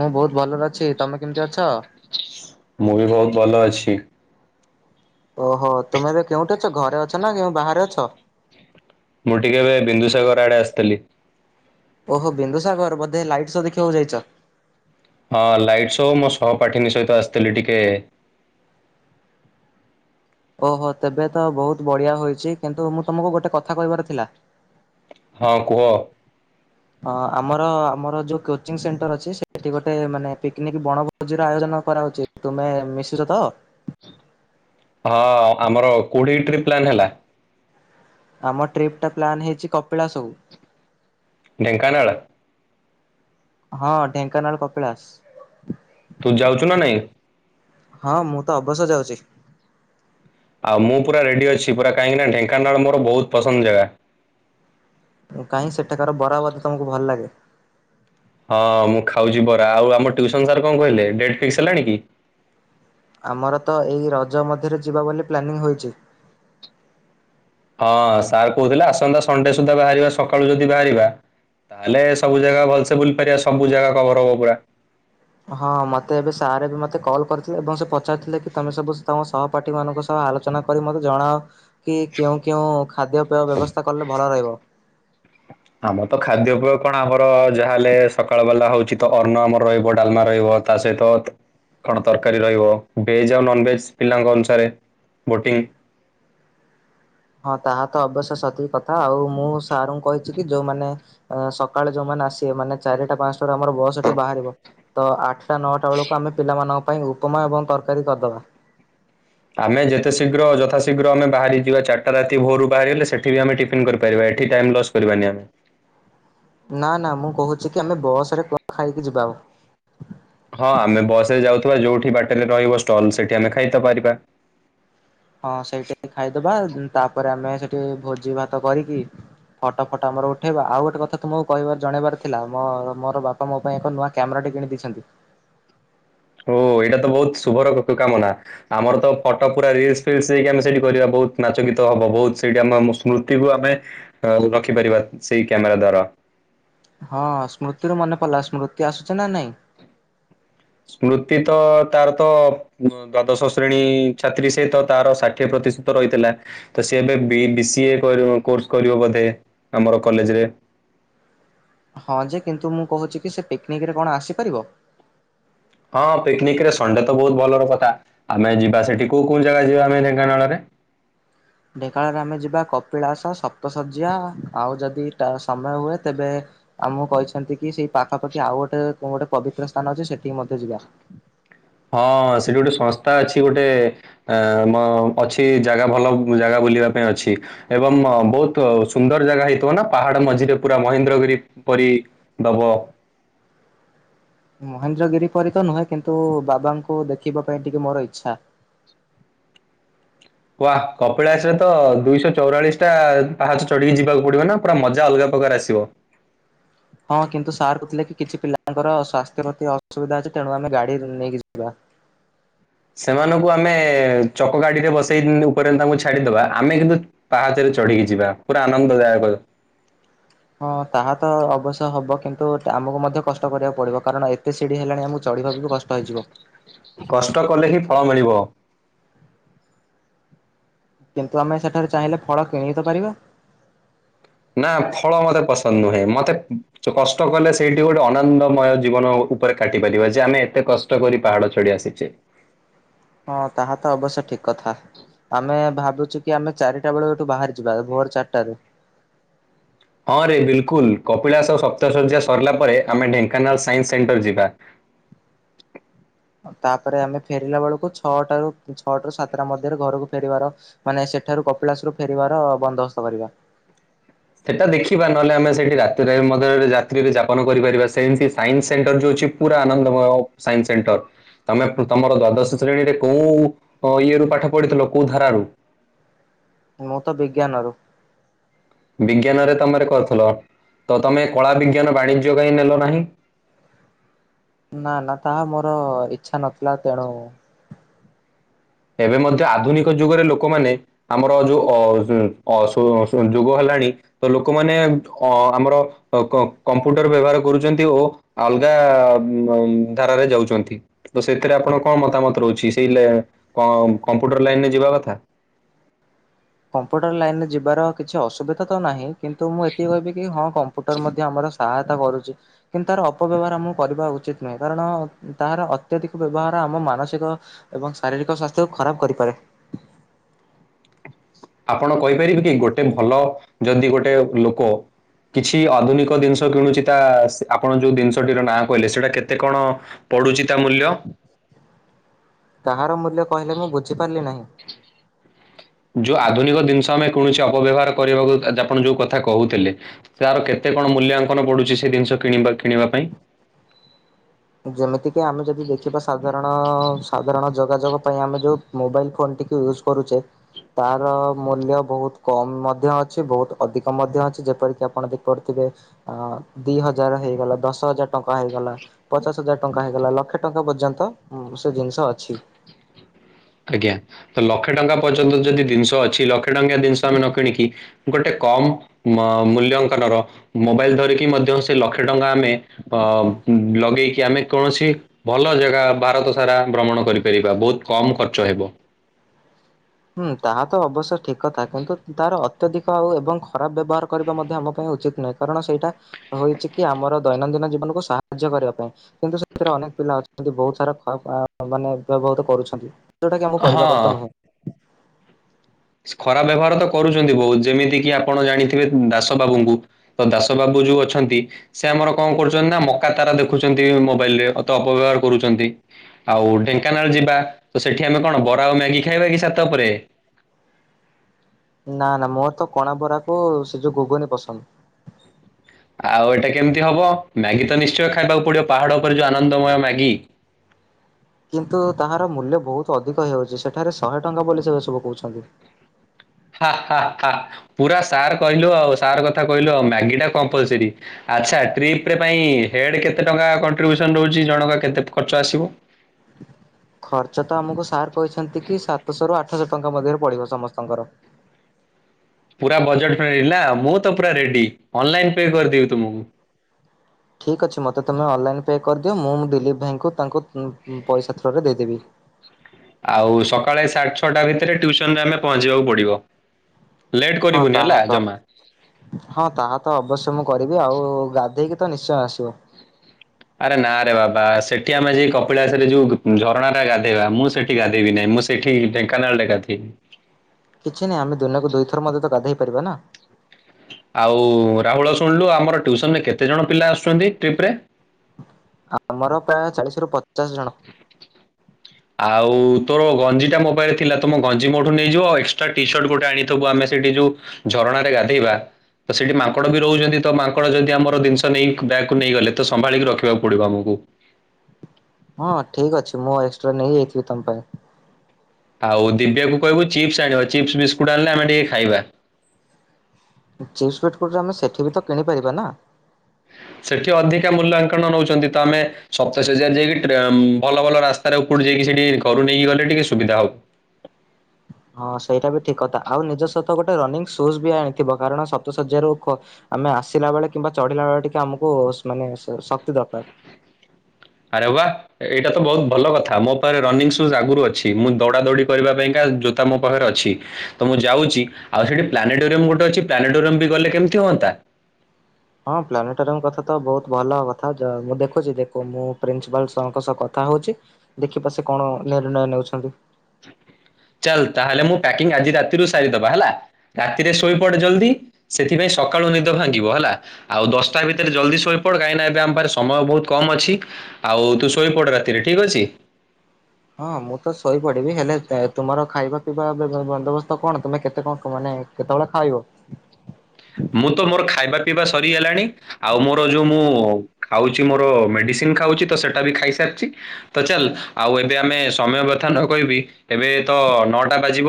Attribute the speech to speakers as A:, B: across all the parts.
A: ମୁଁ ବହୁତ ଭଲରେ ଅଛି ତମେ କେମିତି ଅଛ?
B: ମୁଁ ବି ବହୁତ ଭଲ ଅଛି।
A: ଓହୋ ତୁମେ ଏବେ କେଉଁଠି ଅଛ ଘରେ ଅଛ ନା କେଉଁ ବାହାରେ ଅଛ?
B: ମୁଁ ଟିକେ ଏବେ ବିନ୍ଦୁସାଗର ଆଡେ ଆସିଥିଲି।
A: ଓହୋ! ବିନ୍ଦୁସାଗର ବୋଧେ ଲାଇଟ୍ ଶୋ ଦେଖିବାକୁ ଯାଇଛ।
B: ହଁ, ଲାଇଟ୍ ଶୋ ମୋ ସହପାଠିନୀ ସହିତ ଆସିଥିଲି ଟିକେ
A: ଓହୋ! ତେବେ ତ ବହୁତ ବଢିଆ ହୋଇଛି କିନ୍ତୁ ମୁଁ ତମକୁ ଗୋଟେ କଥା କହିବାର ଥିଲା।
B: ହଁ, କୁହ।
A: ଆମର ଆମର ଯୋଉ କୋଚିଂ ସେଣ୍ଟର ଅଛି, ସେଠି ଗୋଟେ ମାନେ ପିକନିକ ବଣ ଭୋଜିର ଆୟୋଜନ କରାହଉଚି, ତୁମେ ମିଶୁଚ ତ।
B: ହଁ, ଆମର କୋଉଠି ଟ୍ରିପ ପ୍ଲାନ୍ ହେଲା।
A: ଆମ ଟ୍ରିପ୍ ଟା ପ୍ଲାନ୍ ହେଇଚି କପିଳାସକୁ
B: ଢେଙ୍କାନାଳ।
A: ହଁ ଢେଙ୍କାନାଳ କପିଳାସ।
B: ତୁ ଯାଉଛୁ ନା ନାଇଁ?
A: ହଁ ମୁଁ ତ ଅବଶ୍ୟ ଯାଉଛି।
B: ଆଉ ମୁଁ ପୁରା ରେଡି ଅଛି, ପୁରା କାହିଁକି ନା ଢେଙ୍କାନାଳ ମୋର ବୋହୁତ ପସନ୍ଦ ଜାଗା।
A: କାହିଁ ସେଠକାର ବରା ବୋଧେ ତମକୁ ଭଲ ଲାଗେ?
B: ହଁ ମୁଁ ଖାଉଛି ବରା, ଆଉ ଆମ ଟିଉସନ ସାର୍ କଣ କହିଲେ? ଡେଟ୍ ଫିକ୍ସ ହେଲାଣି କି?
A: ଆମର ତ ଏଇ ରଜ ମଧ୍ୟରେ ଯିବା ବୋଲି ପ୍ଲାନିଂ ହୋଇଚି।
B: ହଁ ସାର୍ କହୁଥିଲେ, ଆସନ୍ତା ସଣ୍ଡେ ସୁଦ୍ଧା ବାହାରିବା ସକାଳୁ ଯଦି ବାହାରିବା ତାହେଲେ ସବୁ ଜାଗା ଭଲସେ ବୁଲି ପାରିବା, ସବୁ ଜାଗା କଭର ହବ ପୁରା।
A: ହଁ ମତେ ଏବେ ସାର୍ ଏବେ ମତେ କଲ୍ କରିଥିଲେ ଏବଂ ସେ ପଚାରିଥିଲେ କି ତମେ ସବୁ ତମ ସହପ ପାଠି ମାନଙ୍କ ସହ ଆଲୋଚନା କରି ମତେ ଜଣାଅ। କି କେଉଁ କେଉଁ ଖାଦ୍ୟ ପେୟ ବ୍ୟବସ୍ଥା କଲେ ଭଲ ରହିବ।
B: ଆମର ତ ଖାଦ୍ୟପେୟ କଣ ଆମର ଯାହାହେଲେ ସକାଳ ବାଲା ହଉଛି ତ ଅନ୍ନ ଆମର ରହିବ, ଡାଲମା ରହିବ। ତାସହିତ କଣ ତରକାରୀ ରହିବ, ଭେଜ୍ ଆଉ ନନଭେଜ୍ ପିଲାଙ୍କ ଅନୁସାରେ ବୋଟିଂ
A: ହଁ ତାହା ତ ଅବଶ୍ୟ ସତିିକ କଥା, ଆଉ ମୁଁ ସାରଙ୍କୁ କହିଛି କି ଯୋଉମାନେ ସକାଳେ ଯୋଉମାନେ ଆସିବେ, ମାନେ ଚାରିଟା ପାଞ୍ଚଟାରୁ ଆମର ବସ୍ ଏଠୁ ବାହାରିବ, ତ ଆଠ ଆଠଟା ନଅଟା ବେଳକୁ ଆମେ ପିଲାମାନଙ୍କ ପାଇଁ ଉପମା ଏବଂ ତରକାରୀ କରିଦେବା।
B: ଆମେ ଯେତେ ଶୀଘ୍ର ଯଥାଶୀଘ୍ର ଆମେ ବାହାରିଯିବା, ଚାରିଟା ରାତି ଭୋରୁ ବାହାରି ଗଲେ, ସେଠି ବି ଆମେ ଟିଫନ୍ କରିପାରିବା, ଏଠି ଟାଇମ୍ ଲସ୍ କରିବାନି ଆମେ
A: ନା ନା ମୁଁ କହୁଛି କି ଆମେ ବସ ରେ ଖାଇକି ଯିବା ମ
B: ହଁ, ଆମେ ବସରେ ଯାଉଥିବା ଯୋଉଠି ବାଟରେ ରହିବ ଷ୍ଟଲ, ସେଠି ଆମେ ଖାଇ ତ ପାରିବା।
A: ହଁ ସେଇଠି ଖାଇଦବା, ତାପରେ ଆମେ ସେଠି ଭୋଜି ଭାତ କରିକି ଫଟୋ ଫଟୋ ଆମର ଉଠେଇବା, ଆଉ ଗୋଟେ କଥା ତୁମକୁ କହିବାର- ଜଣେଇବାର ଥିଲା, ମୋ ମୋର ବାପ ମୋ ପାଇଁ ଏକ ନୂଆ କ୍ୟାମେରାଟେ କିଣି ଦେଇଛନ୍ତି।
B: ଓ, ଏଇଟା ତ ବୋହୁତ ଶୁଭର କାମନା। ଆମର ତ ଫଟୋ ପୁରା ରିଲସ ଫିଲ୍ସ ହେଇକି, ଆମେ ସେଇଠି କରିବା, ବହୁତ ନାଚ ଗୀତ ହବ, ବୋହୁତ ସେଇଠି, ଆମ ସ୍ମୃତିକୁ ଆମେ ରଖିପାରିବା, ସେଇ କ୍ୟାମେରା ଦ୍ଵାରା
A: ହଁ, ସ୍ମୃତି ରୁ ମନେ ପଡିଲା, ସ୍ମୃତି ଆସୁଛି ନା ନାଇଁ।
B: ସ୍ମୃତି ତ ତାର ତ ଦ୍ଵାଦଶ ଶ୍ରେଣୀ ଛାତ୍ରୀ ସେ ତାର ଷାଠିଏ ପ୍ରତିଶତ ରହିଥିଲା। ତ ସିଏ ଏବେ ବି ବି ସିଏ କରିବ କୋର୍ସ କରିବ ବୋଧେ, ଆମର କଲେଜରେ।
A: ହଁ ଯେ କିନ୍ତୁ ମୁଁ କହୁଚି କି ସେ ପିକନିକରେ କଣ ଆସିପାରିବ।
B: ହଁ ପିକିନିକ ରେ ସଣ୍ଡେ ତ ବୋହୁତ ଭଲର କଥା ଆମେ ଯିବା ସେଠି କୋଉ କୋଉ ଜାଗା ଯିବା ଆମେ ଢେଙ୍କାନାଳରେ?
A: ଢେଙ୍କାନାଳରେ ଆମେ ଯିବା କପିଳାସ ସପ୍ତ ଶଯ୍ୟା ଆଉ ଯଦି ଟ ସମୟ ହୁଏ ତେବେ ଆଉ ମୁଁ କହିଛନ୍ତି କି ସେଇ ପାଖାପାଖି ଆଉ ଗୋଟେ ଗୋଟେ ପବିତ୍ର ସ୍ଥାନ ଅଛି ସେଠିକି ମଧ୍ୟ ଯିବା।
B: ହଁ ସେଠି ଗୋଟେ ସଂସ୍ଥା ଅଛି ଗୋଟେ ଆ ମ ଅଛି ଜାଗା ଭଲ ଜାଗା ବୁଲିବା ପାଇଁ ଅଛି। ଏବଂ ବୋହୁତ ସୁନ୍ଦର ଜାଗା ହେଇଥିବ ନା ପାହାଡ ମଝିରେ ପୁରା ମହେନ୍ଦ୍ରଗିରି ପରି ଦବ।
A: ମହେନ୍ଦ୍ରଗିରି ପରି ତ ନୁହେଁ, କିନ୍ତୁ ବାବାଙ୍କୁ ଦେଖିବା ପାଇଁ ଟିକେ ମୋର ଇଚ୍ଛା।
B: ଉଆ, କପିଳାସ ରେ ତ ଦୁଇଶହ ଚଉରାଳିଶ ଟା ପାହାଚ ଚଢିକି ଯିବାକୁ ପଡିବ ନା? ପୁରା ମଜା ଅଲଗା ପ୍ରକାର ଆସିବ।
A: ହଁ କିନ୍ତୁ ସାର୍ କହୁଥିଲେ କି କିଛି ପିଲାଙ୍କର ସ୍ୱାସ୍ଥ୍ୟ ପ୍ରତି ଅସୁବିଧା ଅଛି ତେଣୁ ଆମେ ଗାଡି ନେଇକି ଯିବା।
B: ସେମାନଙ୍କୁ ଆମେ ଚକ ଗାଡିରେ ବସେଇ ଉପରେ ତାଙ୍କୁ ଛାଡିଦବା ଆମେ କିନ୍ତୁ ପାହାଚରେ ଚଢିକି ଯିବା ପୁରା ଆନନ୍ଦଦାୟକ।
A: ହଁ ତାହା ତ ଅବଶ୍ୟ ହବ କିନ୍ତୁ ଆମକୁ ମଧ୍ୟ କଷ୍ଟ କରିବାକୁ ପଡିବ କାରଣ ଏ ଏତେ ସିଢି ହେଲାଣି ଆମକୁ ଚଢ଼ିବାକୁ ବି କଷ୍ଟ ହେଇଯିବ।
B: କଷ୍ଟ କଲେ ହିଁ ଫଳ ମିଳିବ।
A: କିନ୍ତୁ ଆମେ ସେଠାରେ ଚାହିଁଲେ ଫଳ କିଣି ତ ପାରିବା।
B: ନା ଫଳ ମତେ ପସନ୍ଦ ନୁହେଁ ମତେ କଷ୍ଟ କଲେ ସେଇଠି ଗୋଟେ ଅନନ୍ଦମୟ ଜୀବନ ଉପରେ କାଟି ପାରିବା, ଯେ ଆମେ ଏତେ କଷ୍ଟ ଷ୍ଟ କରି ପାହାଡ ଛଡି ଆସିଛେ।
A: ହଁ ତାହା ତ ଅବଶ୍ୟ ଠିକ୍ କଥା। ଆମେ ଭାବୁଛୁ କି ଆମେ ଚାରିଟା ବେଳ ଏଠୁ ବାହାରି ଯିବା, ଭୋର ଚାରିଟାରୁ।
B: ହଁ ରେ ବିଲକୁଲ କପିଳାସ ସପ୍ତଚଯ୍ୟା ସରିଲା ପରେ ଆମେ ଢେଙ୍କାନାଳ ସାଇନ୍ସ ସେଣ୍ଟର ଯିବା।
A: ତାପରେ ଆମେ ଫେରିଲା ବେଳକୁ, ଛଅଟାରୁ, ଛଅଟାରୁ ସାତଟା ମଧ୍ୟରେ ଘରକୁ ଫେରିବାର ମାନେ ସେଠାରୁ କପିଳାସ ରୁ ଫେରିବାର ବନ୍ଦୋବସ୍ତ କରିବା।
B: ସେଇଟା ଦେଖିବା ନହେଲେ ଆମେ ସେଇଠି ରାତିରେ ରାତ୍ରୀରେ ଯାପନ କରିପାରିବା ସେ ସାଇନ୍ସ ସେଣ୍ଟର ଯୋଉ ଅଛି ପୁରା ଆନନ୍ଦ ମୟ ସାଇନ୍ସ ସେଣ୍ଟର। ତମେ ତମର ଦ୍ଵାଦଶ ଶ୍ରେଣୀରେ କୋଉ ଇଏ ରୁ ପାଠ ପଢିଥିଲ କୋଉ ଧାରାରୁ?
A: ମୁଁ ତ ବିଜ୍ଞାନରୁ।
B: ବିଜ୍ଞାନ ରେ ତମର କରୁଥିଲ ତ ତମେ କଳା ବିଜ୍ଞାନ ବାଣିଜ୍ୟ କାହିଁ ନେଲ ନାହିଁ?
A: ନା ନା ତାହା ମୋର ଇଛା ନଥିଲା ତେଣୁ
B: ଏବେ ମଧ୍ୟ ଆଧୁନିକ ଯୁଗରେ ଲୋକମାନେ ଆମର ଯୋଉ ଅଶୁ -ଅ ଯୁଗ ହେଲାଣି ତ ଲୋକମାନେ ଅ ଆମର କ-କମ୍ପ୍ୟୁଟର ବ୍ୟବହାର କରୁଛନ୍ତି ଓ ଅଲଗା ଆ- ଧାରାରେ ଯାଉଛନ୍ତି। ତ ସେଥିରେ ଆପଣଙ୍କ କଣ ମତାମତ ରହୁଛି? ସେଇ କ କମ୍ପ୍ୟୁଟର ଲାଇନରେ ଯିବା କଥା?
A: କମ୍ପ୍ୟୁଟର ଲାଇନରେ ଯିବାର କିଛି ଅସୁବିଧା ତ ନାହିଁ। କିନ୍ତୁ ମୁଁ ଏତିକି କହିବି କି ହଁ କମ୍ପୁଟର ମଧ୍ୟ ଆମର ସହାୟତା କରୁଛି। କିନ୍ତୁ ତାର ଅପବ୍ୟବହାର ଆମଁ କରିବା ଉଚିତ ନୁହେଁ କାରଣ ତାହାର ଅତ୍ୟଧିକ ବ୍ୟବହାର ଆମ ମାନସିକ ଏବଂ ଶାରୀରିକ ସ୍ୱାସ୍ଥ୍ୟକୁ ଖରାପ କରିପାରେ।
B: ଆପଣ କହିପାରିବେ କି? ଗୋଟେ ଭଲ ଯଦି ଗୋଟେ ଲୋକ କିଛି ଆଧୁନିକ ଜିନିଷ କିଣୁଛି ତା, ଆପଣ ଯଉଁ ଜିନିଷଟିର ନାଁ କହିଲେ ସେଇଟା କେତେ କଣ ପଡୁଛି ତା ମୂଲ୍ୟ?
A: କାହାର ମୂଲ୍ୟ କହିଲେ ମୁଁ ବୁଝିପାରିଲି ନାହିଁ।
B: ଯୋଉ ଆଧୁନିକ ଜିନିଷ ଆମେ କୌଣସି ଅପବ୍ୟବହାର କରିବାକୁ ଆପଣ ଯୋଉ କଥା କହୁଥିଲେ ତାର କେତେ କଣ ମୂଲ୍ୟାଙ୍କନ ପଡ଼ୁଛି ସେ ଜିନିଷ କିଣିବା କିଣିବା ପାଇଁ?
A: ଯେମିତିକି ଆମେ ଯଦି ଦେଖିବା ସାଧାରଣ ସାଧାରଣ ଯୋଗାଯୋଗ ପାଇଁ ଆମେ ଯେଉ ମୋବାଇଲ ଫୋନ ଟିକେ ୟୁଜ୍ କରୁଛେ ତାର ମୂଲ୍ୟ ବହୁତ କମ ମଧ୍ୟ ଅଛି, ବହୁତ ଅଧିକ ମଧ୍ୟ ଅଛି, ଯେପରିକି ଆପଣ ଦେଖିପାରୁଥିବେ ଅ ଦି ହଜାର ହେଇଗଲା ଦଶ ହଜାର ଟଙ୍କା ହେଇଗଲା ପଚାଶ ହଜାର ଟଙ୍କା ହେଇଗଲା ଲକ୍ଷେ ଟଙ୍କା ପର୍ଯ୍ୟନ୍ତ ସେ ଜିନିଷ ଅଛି।
B: ଆଜ୍ଞା ତ ଲକ୍ଷେ ଟଙ୍କା ପର୍ଯ୍ୟନ୍ତ ଯଦି ଜିନିଷ ଅଛି ଲକ୍ଷେ ଟଙ୍କିଆ ଜିନିଷ ଆମେ ନ କିଣିକି ଗୋଟେ କମ ମୂଲ୍ୟାଙ୍କନର ମୋବାଇଲ ଧରିକି ମଧ୍ୟ, ସେ ଲକ୍ଷେ ଟଙ୍କା ଆମେ ଅ ଲଗେଇକି ଆମେ କୌଣସି ଭଲ ଜାଗା ଭାରତ ସାରା ଭ୍ରମଣ କରିପାରିବା, ବହୁତ କମ ଖର୍ଚ୍ଚ ହେବ।
A: ହୁଁ ତାହା ତ ଅବଶ୍ୟ ଠିକ୍ କଥା। କିନ୍ତୁ ତାର ଅତ୍ୟଧିକ ଆଉ ଏବଂ ଖରାପ ବ୍ୟବହାର କରିବା ମଧ୍ୟ ଆମ ପାଇଁ ଉଚିତ୍ ନୁହେଁ କାରଣ ସେଇଟା ହୋଇଛି କି ଆମର ଦୈନନ୍ଦିନ ଜୀବନକୁ ସାହାଯ୍ୟ କରିବା ପାଇଁ କିନ୍ତୁ ସେଥିରେ ଅନେକ ପିଲା ଅଛନ୍ତି ବହୁତ ସାରା ଖ ରା ଆ ମାନେ ବ୍ୟବହୃତ କରୁଛନ୍ତି। ଯଉଟାକି ଆମ କରିବା
B: ହଁ
A: କଥା ନୁହଁ
B: ଖରାପ ବ୍ୟବହାର ତ କରୁଛନ୍ତି ବହୁତ ଯେମିତି କିି ଆପଣ ଜାଣିଥିବେ ଦାସ ବାବୁଙ୍କୁ। ତ ଦାସ ବାବୁ ଯୋଉ ଅଛନ୍ତି। ସେ ଆମର କଣ କରୁଛନ୍ତି ନା ମକା ତାରା ଦେଖୁଛନ୍ତି ମୋବାଇଲ ରେ ଅତ ଅପବ୍ୟବହାର କରୁଛନ୍ତି। ଆଉ ଢେଙ୍କାନାଳ ଯିବା ତ ସେଠି ଆମେ କଣ ବରା ଆଉ ମ୍ୟାଗି ଖାଇବା କି ସାତ ଉପରେ।
A: ନା ନା ମୋର ତ କଣା ବରା କୁ ସେ ଯଉ ଘୁଗୁନି ପସନ୍ଦ।
B: ଆଉ ଏଇଟା କେମିତି ହବ ମ୍ୟାଗି ତ ନିଶ୍ଚୟ ଖାଇବାକୁ ପଡିବ ପାହାଡ ଉପରେ ଯୋଉ ଆନନ୍ଦମୟ ମ୍ୟାଗି।
A: କିନ୍ତୁ ତାହାର ମୂଲ୍ୟ ବହୁତ ଅଧିକ ହେଉଛି ସେଠାରେ ଶହେ ଟଙ୍କା ବୋଲି ସେ ସବୁ କହୁଛନ୍ତି।
B: ହା ହା ହା ହା ପୁରା ସାର୍ କହିଲୁ ଆଉ ସାର୍ କଥା କହିଲୁ ଆଉ ମ୍ୟାଗି ଟା କମ୍ପଲସରୀ। ଆଚ୍ଛା ଟ୍ରିପରେ ପାଇଁ ହେଡ୍ କେତେ ଟଙ୍କା କଣ୍ଟ୍ରିବ୍ୟୁସନ ରହୁଛି ଜଣଙ୍କ କେତେ ଖର୍ଚ୍ଚ ଆସିବ।
A: ଖର୍ଚ୍ଚ ତ ଆମକୁ ସାର୍ କହିଛନ୍ତି କି ସାତଶହ ରୁ ଆଠଶହ ଟଙ୍କା ମଧ୍ୟରେ ପଡିବ ସମସ୍ତଙ୍କର।
B: ପୁରା ବଜେଟିଲି ମୁଁ ତ ପୁରା ରେଡି ଅନଲାଇନ ପେ କରିଦେବି ତୁମକୁ।
A: ଠିକ୍ ଅଛି ମୋତେ ତୁମେ ଅନଲାଇନ୍ ପେ କରିଦିଅ ମୁଁ ମୁ ଦିଲିପ ଭାଇଙ୍କୁ ତାଙ୍କୁ ଙ୍କୁ ଙ୍କୁ ପଇସା ଥ୍ରୁ ରେ ଦେଇଦେବି।
B: ଆଉ ସକାଳେ ସାଡେ ଛଅଟା ଭିତରେ ଟ୍ୟସନ ରେ ଆମେ ପହଞ୍ଚିବାକୁ ପଡିବ‌।
A: ହଁ ତାହତ। ହଁ ତାହା ତ ଅବଶ୍ୟ ମୁଁ କରିବି ଆଉ ଗାଧେଇକି ତ ନିଶ୍ଚୟ ଆସିବ।
B: ଆରେ ନା ରେ ବାବା ସେଠି ଆମେ ଯେ କପିଳାସରେ ଯୋଉ ଝରଣା ଟା ଗାଧେଇବା, ମୁଁ ସେଠି ଗାଧେଇବି ନାହିଁ ମୁଁ ସେ ସେଠି ଢେଙ୍କାନାଳ ରେ ଗାଧେଇବି।
A: କିଛି ନାହିଁ ଆମେ ଦିନକୁ ଦୁଇଥର ମଧ୍ୟ ତ ଗାଧୋଇ ପାରିବା ନା?
B: ଆଉ ରାହୁଳ ଶୁଣିଲୁ ଆମର ଟିଉସନ ରେ କେତେ ଜଣ ପିଲା ଆସୁଛନ୍ତି ଟ୍ରିପ ରେ।
A: ଆମର ପ୍ରାୟ ଚାଳିସି ରୁ ପଚାଶ ଜଣ।
B: ଆଉ ତୋର ଗଞ୍ଜିଟା ମୋ ପାଖରେ ଥିଲା ତମ ଗଞ୍ଜି ମୋଠୁ ନେଇଯିବ ଆଉ ଏକ୍ସଟ୍ରା ଟିସର୍ଟ ଗୋଟେ ଆଣି ସବୁ ଆମେ ସେଇଠି ଯୋଉ ଝରଣାରେ ଗାଧେଇବା। ତ ସେଇଠି ମାଙ୍କଡ଼ ବି ରହୁଛନ୍ତି ତ ମାଙ୍କଡ଼ ଯଦି ଆମର ଜିନିଷ ନେଇ ବ୍ୟାଗକୁ ନେଇଗଲେ ତ ସମ୍ଭାଳିକି ରଖିବାକୁ ପଡିବ ଆମକୁ।
A: ହଁ ଠିକ ଅଛି ମୁଁ ଏକ୍ସଟ୍ରା ନେଇଯାଇଥିବି ତମ ପାଇଁ।
B: ଆଉ ଦିବ୍ୟ କୁ କହିବୁ ଚିପ୍ସ ଆଣିବା ଚିପ୍ସ ବିସ୍କୁଟ ଆନିଲେ ଆମେ ଟିକେ ଖାଇବା।
A: ଚିପ୍ସ ବିଟ୍ଟୁତ ଆମେ ସେଠି ବି ତ କିଣିପାରିବା ନା
B: ସେଠି ଅଧିକା ମୂଲ୍ୟାଙ୍କନ ନଉଛନ୍ତି ତ ଆମେ ସପତାେଇଶ ହଜାର ଯାଇକି ଟ୍ରଉ ଭଲ ଭଲ ରାସ୍ତା। ତାର ଉପୁଡ଼ୁ ଯାଇକି ସେଠି ଘରୁ ନେଇକି ଗଲେ ଟିକେ ସୁବିଧା ହେବ।
A: ହଁ ସେଇଟା ବି ଠିକ୍ କଥା ଆଉ ନିଜ ସହିତ ଗୋଟେ ରନିଂ ସୁଜ୍ ବି ଆଣିଥିବ କାରଣ ସପ୍ତ ଶଜଯ୍ୟାରୁ ଉ କ ଆମେ ଆସିଲା ବେଳେ କିମ୍ବା ଚଢିଲା ବେଳେ ଟିକେ ଆମକୁ ସ୍ ମାନେ ଶକ୍ତି ଦରକାର।
B: ଆରେ ବା ଆ ଏଇଟା ତ ବହୁତ ଭଲ କଥା ମୋ ପାଖରେ ରନିଙ୍ଗ ସୁଜ ଆଗରୁ ଅଛି ମୁଁ ଦୌଡା ଦୌଡି କରିବା ପାଇଁକା ଜୋତା ମୋ ପାଖରେ ଅଛି। ତ ମୁଁ ଯାଉଛି ଆଉ ସେଠି ପ୍ଲାନେଟୋରିୟମ ଗୋଟେ ଅଛି ପ୍ଲାନେଟୋରିୟମ ବି ଗଲେ କେମିତି ହୁଅନ୍ତା।
A: ହଁ ପ୍ଲାନେଟୋରିୟମ କଥା ତ ବହୁତ ଭଲ କଥା ମୁଁ ଦେଖୁଛି ଦେଖ ମୁଁ ପ୍ରିନ୍ସିପାଲଙ୍କ ସହ କଥା ହଉଛି। ଦେଖିବା ସେ କଣ ନିର୍ଣ୍ଣୟ ନେଉଛନ୍ତି।
B: ଚାଲ ତାହେଲେ ମୁଁ ପ୍ୟାକିଂ ଆଜି ରାତିରୁ ସାରିଦବା ହେଲା ରାତିରେ ଶୋଇପଡେ ଜଲ୍ଦି। ସେଥିପାଇଁ ସକାଳୁ ନିଦ ଭାଙ୍ଗିବ ହେଲା। ଆଉ ଦଶଟା ଭିତରେ ଜଲ୍ଦି ଶୋଇପଡ କାହିଁକିନା ଏବେ ଆମ ପା ସମୟ ବହୁତ କମ ଅଛି। ଆଉ ତୁ ଶୋଇପଡ ରାତିରେ ଠିକ ଅଛି।
A: ହଁ ମୁଁ ତ ଶୋଇହିପଡିବି ହେଲେ ତ ତୁମର ଖାଇବା ପିଇବା ବ୍ଯବବନ୍ଦୋବସ୍ତ କଣ ତମେ କେତେ କଣ ମାନେ। କେତେବେଳେ ଖାଇବ।
B: ମୁଁ ତ ମୋର ଖାଇବା ପିଇବା ସରିଗଲାଣି ଆଉ ମୋର ଯୋଉ ମୁଁ ଖାଉଛି ମୋର ମେଡିସିନ ଖାଉଛି। ତ ସେଟା ବି ଖାଇସାରିଛି। ତ ଚାଲ ଆଉ ଏବେ ଆମେ ସମୟ ବ୍ୟଥା ନ କହିବି ଏବେ ତ ନଅଟା ବାଜିବ।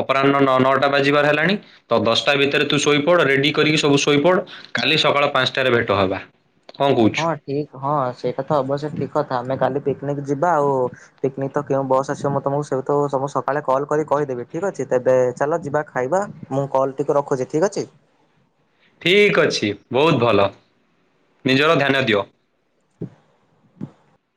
B: ଅପରାହ୍ନ ନ ନଅଟା ବାଜିବାର ହେଲାଣି ତ ଦଶଟା ଭିତରେ ତୁ ଶୋଇ ପୁରା ରେଡି କରିକି ସବୁ ଶୋଇପଡ କାଲି ସକାଳ ପାଞ୍ଚଟାରେ ଭେଟ ହବା କଣ କହୁଛୁ।
A: ଠିକ୍ ହଁ ସେଇଟା କଥା ଅବଶ୍ୟ ଠିକ୍ କଥା ଆମେ କାଲି ପିକ୍ନିକ ଯିବା ଆଉ ପିକ୍ନିକ୍ ତ କେଉଁ ବସ୍ ଆସିବ ମୁଁ ତମକୁ ସେ ତୁ ସକାଳେ କଲ୍ କରି କହିଦେବି ଠିକ୍ ଅଛି ତେବେ ଚାଲ ଯିବା। ଖାଇବା ମୁଁ କଲ୍ ଟିକେ ରଖୁଛି ଠିକ୍ ଅଛି।
B: ଠିକ୍ ଅଛି ବୋହୁତ୍ ଭଲ ନିଜର ଧ୍ୟାନ ଦିଅ।
A: [inaudible]